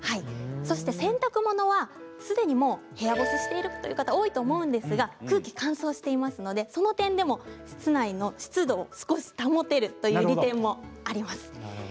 そして洗濯物はすでに部屋干ししているという方多いと思うんですが、空気が乾燥していますのでその点でも室内の湿度を少し保てるという利点もあります。